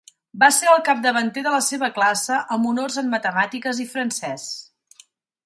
Va ser el capdavanter de la seva classe amb honors en matemàtiques i francès.